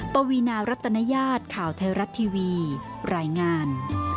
ปวีนารัตนญาติข่าวไทยรัฐทีวีรายงาน